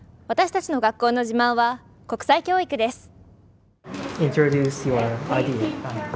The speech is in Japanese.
私たちの学校の自慢は国際教育です。